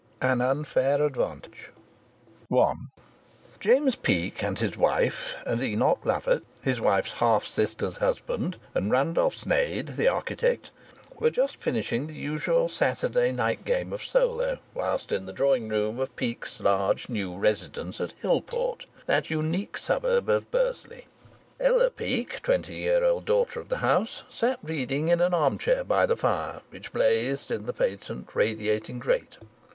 AN UNFAIR ADVANTAGE I James Peake and his wife, and Enoch Lovatt, his wife's half sister's husband, and Randolph Sneyd, the architect, were just finishing the usual Saturday night game of solo whist in the drawing room of Peake's large new residence at Hillport, that unique suburb of Bursley. Ella Peake, twenty year old daughter of the house, sat reading in an arm chair by the fire which blazed in the patent radiating grate.